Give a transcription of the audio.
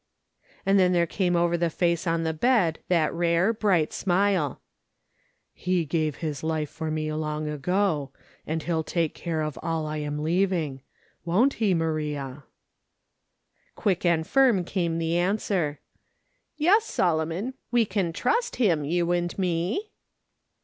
And then there came over the face on the bed that rare bright smile. "He gave his life for me long ago ; and he'll take care of all I'm leaving ; won't he, Maria ?" Quick and firm came the answer ; Yes, Solomon, we can trust Him, you and me."